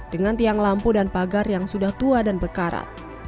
dengan tiang lampu dan pagar yang sudah tua dan berkarat